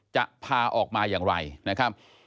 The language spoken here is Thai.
จะพาออกมาอย่างไรนะครับ